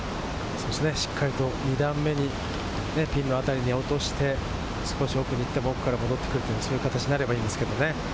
しっかりと２段目にピンのあたりに落として、少し奥に行っても、奥から戻ってくるという形になればいいんですけれどもね。